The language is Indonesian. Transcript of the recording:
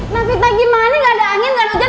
nah fitnah gimana gak ada angin gak ada hujan